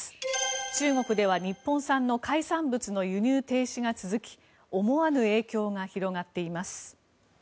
中国では日本産の海産物の輸入停止が続き思わぬ影響が広がっています。